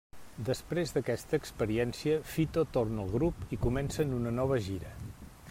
Després d'aquesta experiència, Fito torna al grup i comencen una nova gira.